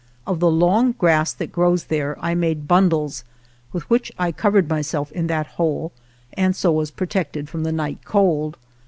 Of the long grass that grows there I made bundles, with which I covered myself in that hole and so was protected from the night cold.